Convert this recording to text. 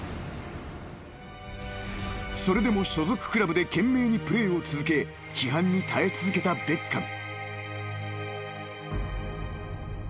［それでも所属クラブで懸命にプレーを続け批判に耐え続けたベッカム］